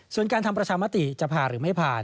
ส่วนการทำประชามติจะผ่านหรือไม่ผ่าน